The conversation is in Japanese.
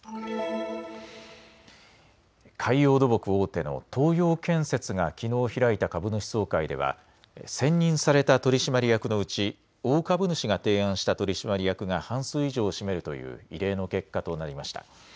海洋土木大手の東洋建設がきのう開いた株主総会では選任された取締役のうち大株主が提案した取締役が半数以上を占めるという異例の結果となりました。